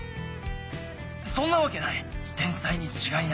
そんなわけない天才に違いない。